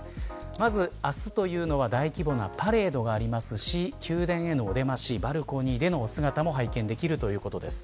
まず明日というのは大規模なパレードがありますし宮殿でのお出ましバルコニーでの姿も拝見できます。